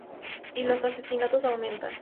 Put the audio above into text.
Y los asesinatos aumentan.